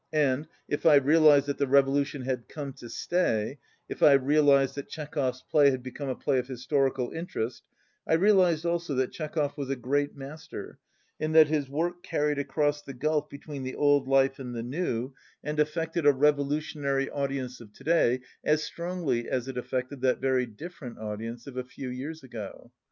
And, if I realized that the revolution had come to stay, if I realized that Chekhov's play had become a play of his torical interest, I realized also that Chekhov was a great master in that his work carried across the gulf between the old life and the new, and affected 141 a revolutionary audience of to day as strongly as it affected that very different audience of a few years ago.